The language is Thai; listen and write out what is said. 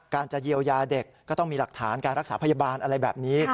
จะเยียวยาเด็กก็ต้องมีหลักฐานการรักษาพยาบาลอะไรแบบนี้